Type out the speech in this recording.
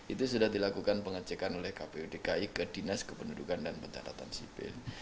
itu sudah dilakukan pengecekan oleh kpu dki ke dinas kependudukan dan pencatatan sipil